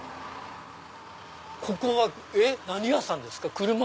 ここは何屋さんですか？